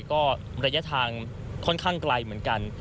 ก็ระยะทางค่อนข้างไกลเหมือนกัน